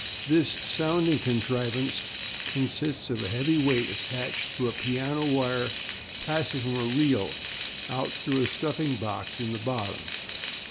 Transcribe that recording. This sounding contrivance consists of a heavy weight attached to a piano wire passing from a reel out through a stuffing box in the bottom.